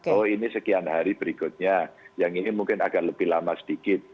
oh ini sekian hari berikutnya yang ini mungkin agak lebih lama sedikit